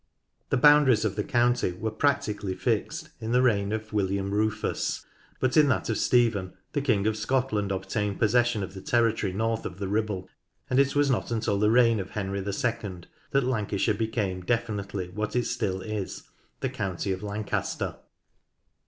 The boundaries of the county were practically fixed 1 — 2 4 NORTH LANCASHIRE in the reign of William Rufus, but in that of Stephen the King of Scotland obtained possession of the territory north of the Ribble, and it was not until the reign of Henry II that Lancashire became definitely what it still is, "the County of Lancaster."